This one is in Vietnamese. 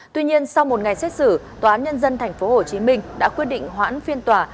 tuy nhiên sau một ngày xét xử tòa án nhân dân tp hcm đã quyết định hoãn phiên tòa